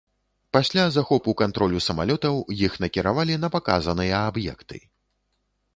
Пасля захопу кантролю самалётаў іх накіравалі на паказаныя аб'екты.